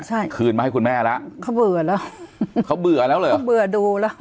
ใช่คืนมาให้คุณแม่แล้วเขาเบื่อแล้วเขาเบื่อแล้วเลยเขาเบื่อดูแล้ว